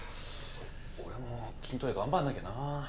俺も筋トレ頑張んなきゃな。